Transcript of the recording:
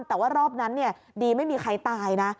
แต่ว่ารอบนั้นดีไม่มีใครตายนะ